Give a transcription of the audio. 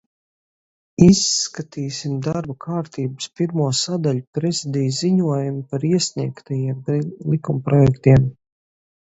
"Izskatīsim darba kārtības pirmo sadaļu "Prezidija ziņojumi par iesniegtajiem likumprojektiem"."